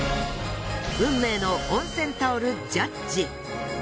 運命の温泉タオルジャッジ。